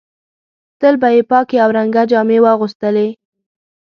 تل به یې پاکې او رنګه جامې اغوستلې.